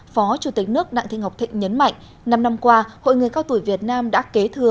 phó chủ tịch nước đặng thị ngọc thịnh nhấn mạnh năm năm qua hội người cao tuổi việt nam đã kế thừa